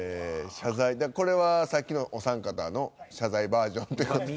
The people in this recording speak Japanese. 謝罪これはさっきのお三方の謝罪バージョンという事で。